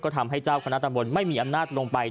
ทำให้เจ้าคณะตำบลไม่มีอำนาจลงไป